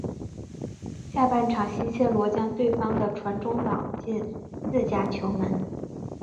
下半场西切罗将对方的传中挡进自家球门。